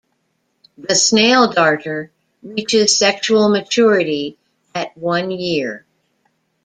The snail darter reaches sexual maturity at one year.